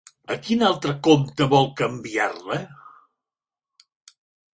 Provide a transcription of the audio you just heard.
A quin altre compte vol canviar-la?